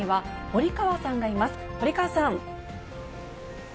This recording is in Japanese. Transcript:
堀川さん。